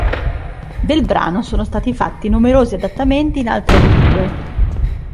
Del brano sono stati fatti numerosi adattamenti in altre lingue.